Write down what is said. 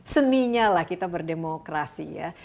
seninya lah kita berdemokrasi ya